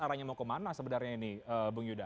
arahnya mau kemana sebenarnya ini bung yuda